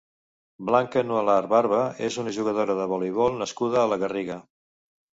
Blanca Nualart Barba és una jugadora de voleibol nascuda a la Garriga.